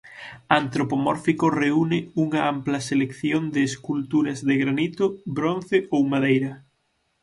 'Antropomórfico' reúne unha ampla selección de esculturas de granito, bronce ou madeira.